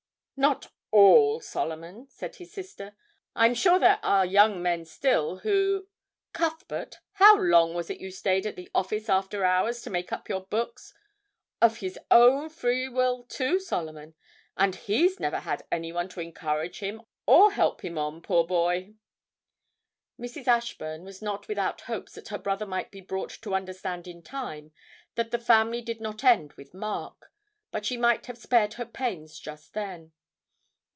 'Not all, Solomon,' said his sister. 'I'm sure there are young men still who Cuthbert, how long was it you stayed at the office after hours to make up your books? Of his own free will, too, Solomon! And he's never had anyone to encourage him, or help him on, poor boy!' Mrs. Ashburn was not without hopes that her brother might be brought to understand in time that the family did not end with Mark, but she might have spared her pains just then.